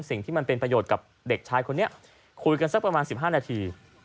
สิ่งที่มันเป็นประโยชน์กับเด็กชายคนนี้คุยกันสักประมาณ๑๕นาที